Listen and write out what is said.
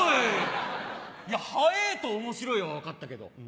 いや「はえぇ」と「面白い」は分かったけど。